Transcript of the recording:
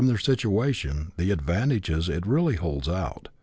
their situation the advantages it really holds out.